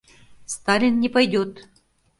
Сталин не пойдёт!